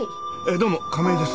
どうも亀井です。